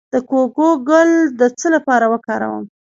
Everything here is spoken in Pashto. د کوکو ګل د څه لپاره وکاروم؟